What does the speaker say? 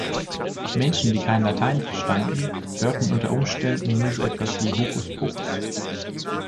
Menschen, die kein Latein verstanden, hörten unter Umständen nur so etwas wie "Hokuspokus".